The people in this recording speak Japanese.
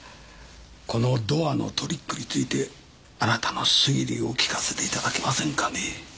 このドアのトリックについてあなたの推理を聞かせていただけませんかね。